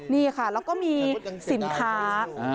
นี่ค่ะแล้วก็มีสินค้า